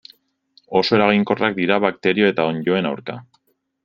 Oso eraginkorrak dira bakterio eta onddoen aurka.